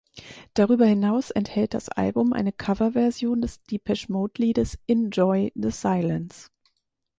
Darüber hinaus enthält das Album eine Coverversion des Depeche-Mode-Liedes "Enjoy the Silence".